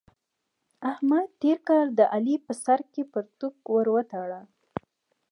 احمد تېر کال د علي په سر کې پرتوګ ور وتاړه.